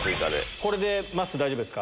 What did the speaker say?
これでまっすー、大丈夫ですか？